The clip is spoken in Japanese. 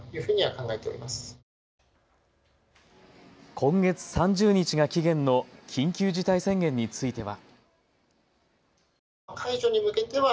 今月３０日が期限の緊急事態宣言については。